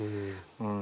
うん。